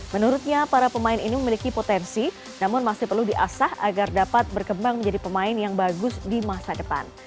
menurutnya para pemain ini memiliki potensi namun masih perlu diasah agar dapat berkembang menjadi pemain yang bagus di masa depan